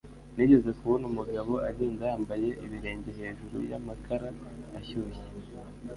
Nigeze kubona umugabo agenda yambaye ibirenge hejuru yamakara ashyushye